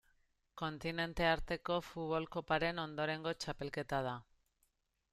Kontinente arteko Futbol Koparen ondorengo txapelketa da.